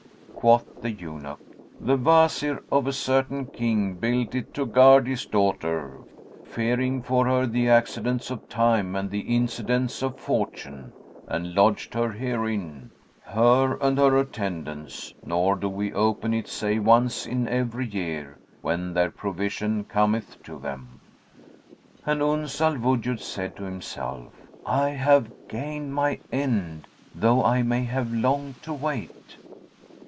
Quoth the eunuch, "The Wazir of a certain King built it to guard his daughter, fearing for her the accidents of Time and the incidents of Fortune, and lodged her herein, her and her attendants; nor do we open it save once in every year, when their provision cometh to them." And Uns al Wujud said to himself, "I have gained my end, though I may have long to wait."